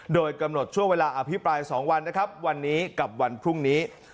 โดยกำหนดช่วงเวลาอภิปราย๒วันนะครับวันนี้กับวันพรุ่งนี้